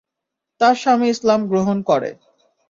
তার স্বামী ইসলাম গ্রহণ করে।